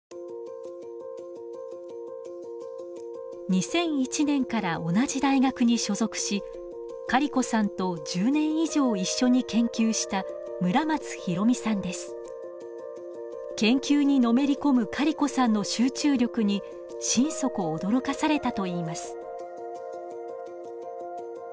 ２００１年から同じ大学に所属しカリコさんと１０年以上一緒に研究した研究にのめり込むカリコさんの集中力に心底驚かされたといいます。